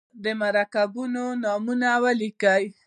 د مرکبونو نومونه ولیکئ.